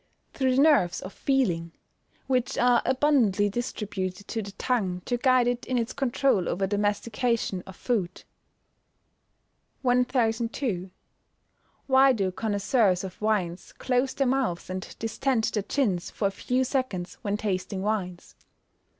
_ Through the nerves of feeling, which are abundantly distributed to the tongue to guide it in its controul over the mastication of food. 1002. _Why do connoisseurs of wines close their mouths and distend their chins for a few seconds, when tasting wines?